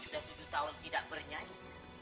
sudah tujuh tahun tidak bernyanyi